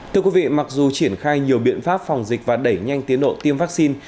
thưa quý vị mặc dù triển khai nhiều biện pháp phòng dịch và đẩy nhanh tiến độ tiêm vaccine